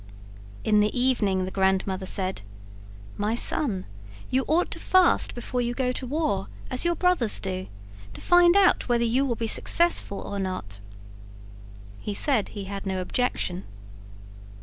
In the evening the grandmother said, "My son, you ought to fast before you go to war, as your brothers do, to find out whether you will be successful or not." He said he had no objection.